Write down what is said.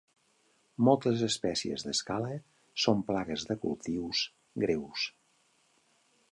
Moltes espècies d'escala són plagues de cultius greus.